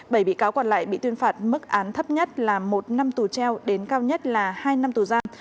bảy bị cáo còn lại bị tuyên phạt mức án thấp nhất là một năm tù treo đến cao nhất là hai năm tù giam